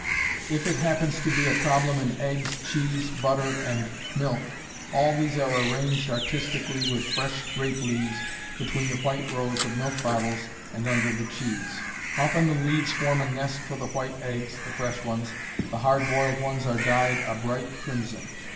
If it happens to be a problem in eggs, cheese, butter, and milk, all these are arranged artistically with fresh grape leaves between the white rows of milk bottles and under the cheese; often the leaves form a nest for the white eggs (the fresh ones) the hard boiled ones are dyed a bright crimson.